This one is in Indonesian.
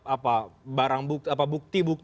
apa barang bukti bukti